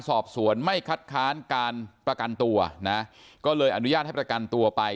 สอบสวนไม่คัดค้านการประกันตัวนะก็เลยอนุญาตให้ประกันตัวไป